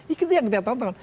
itu yang kita tonton